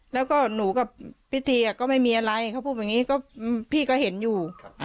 แล้วก็หนูกับพี่ตีก็ไม่มีอะไรเขาพูดแบบนี้ก็พี่ก็เห็นอยู่